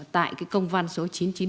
tại công văn số chín trăm chín mươi một